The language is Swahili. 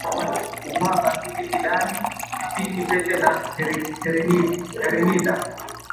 Huvaa bangili vidani vipini pete na herinidha